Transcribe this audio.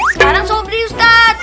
sekarang sobri ustaz